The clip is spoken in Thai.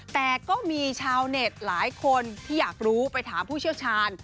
แต่ก็มีชาวเน็ตหลายคนที่อยากรู้ไปถามผู้เชี่ยวชาญ